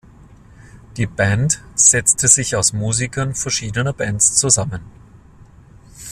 Die Band setzte sich aus Musikern verschiedener Bands zusammen.